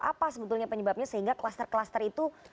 apa sebetulnya penyebabnya sehingga kluster kluster itu